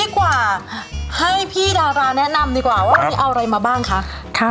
กว่าให้พี่ดาราแนะนำดีกว่าว่าวันนี้เอาอะไรมาบ้างคะ